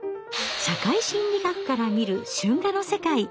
社会心理学から見る春画の世界。